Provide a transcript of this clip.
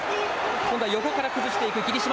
今度は横から崩していく霧島。